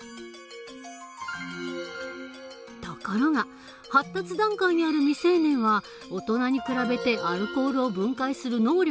ところが発達段階にある未成年は大人に比べてアルコールを分解する能力が弱い。